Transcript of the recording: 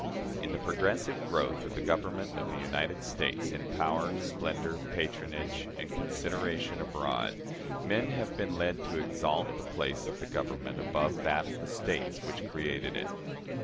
In the progressive growth of the Government of the United States in power, splendor, patronage, and consideration abroad, men have been led to exalt the place of the Government above that of the States which created it.